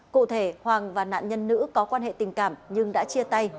cụ thể hoàng và nạn nhân nữ có quan hệ tình cảm nhưng đã chia tay